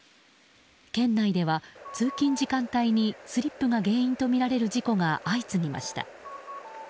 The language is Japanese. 県内では、通勤時間帯にスリップが原因とみられる事故が相次ぎました。